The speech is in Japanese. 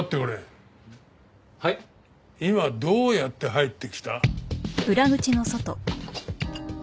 今どうやって入ってきた？